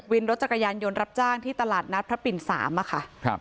วินรถจักรยานยนต์รับจ้างที่ตลาดนัทพระปิบ๓